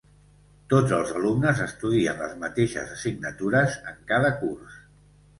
Tots els alumnes estudien les mateixes assignatures en cada curs.